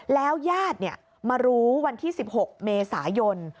แล้วญาติมารู้วันที่๑๖เมษายน